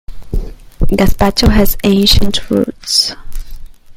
Gazpacho has ancient roots.